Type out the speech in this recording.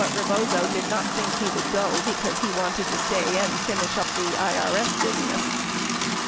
1019 him, but Eebozo did not think he would go because he wanted to stay and finish up the IRS business.